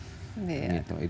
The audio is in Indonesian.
itu juga penting